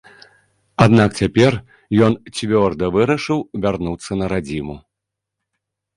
Аднак цяпер ён цвёрда вырашыў вярнуцца на радзіму.